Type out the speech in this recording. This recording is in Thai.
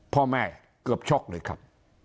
พ่อแม่เกือบช็อกเลยครับ